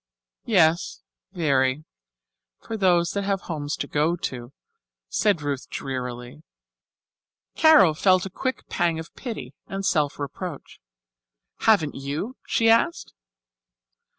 "Yes, very for those that have homes to go to," said Ruth drearily. Carol felt a quick pang of pity and self reproach. "Haven't you?" she asked.